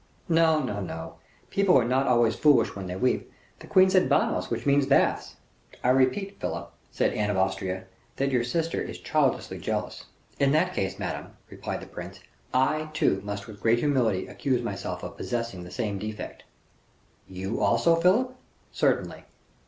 "No, no, no; people are not always foolish when they weep. The queen said banos, which means baths." "I repeat, Philip," said Anne of Austria, "that your sister is childishly jealous." "In that case, madame," replied the prince, "I, too, must with great humility accuse myself of possessing the same defect." "You also, Philip?" "Certainly."